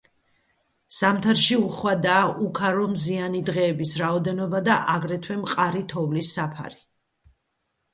ზამთარში უხვადაა უქარო მზიანი დღეების რაოდენობა, და აგრეთვე მყარი თოვლის საფარი.